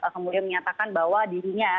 kemudian menyatakan bahwa dirinya